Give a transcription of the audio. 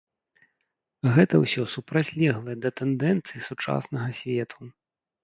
Гэта ўсё супрацьлеглае да тэндэнцый сучаснага свету.